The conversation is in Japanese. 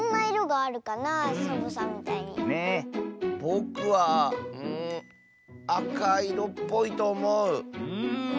ぼくはうんあかいろっぽいとおもう。